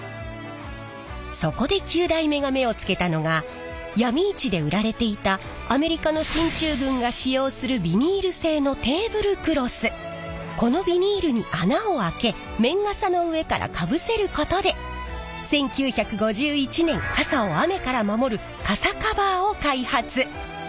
そこで９代目が目をつけたのが闇市で売られていたアメリカの進駐軍が使用するこのビニールに穴を開け綿傘の上からかぶせることで１９５１年傘を雨から守る傘カバーを開発！